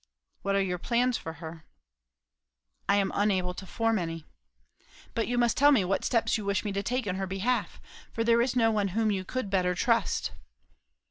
"What are your plans for her?" "I am unable to form any." "But you must tell me what steps you wish me to take in her behalf if there is no one whom you could better trust."